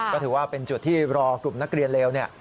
ก็ถือว่าเป็นจุดที่รอกลุ่มนักเรียนเลวเนี่ย